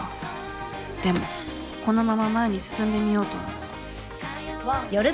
でもこのまま前に進んでみようと思うお楽しみに！